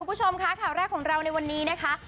คุณผู้ชมค่ะข่าวแรกของเราในวันนี้นะคะ